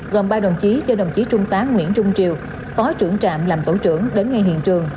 gồm ba đồng chí do đồng chí trung tá nguyễn trung triều phó trưởng trạm làm tổ trưởng đến ngay hiện trường